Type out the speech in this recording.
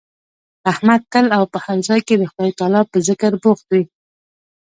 احمد تل او په هر ځای کې د خدای تعالی په ذکر بوخت وي.